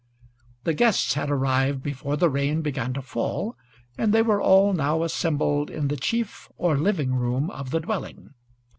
The guests had arrived before the rain began to fall, and they were all now assembled in the chief or living room of the dwelling.